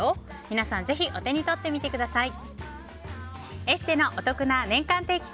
皆さん、ぜひお手に取ってみてください。